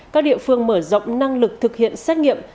các địa phương mở rộng năng lực thực hiện xét nghiệm